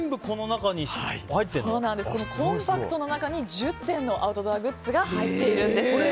このコンパクトの中に１０点のアウトドアグッズが入っているんです。